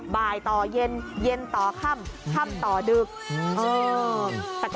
บ่ายต่อเย็นเย็นต่อค่ำค่ำต่อดึก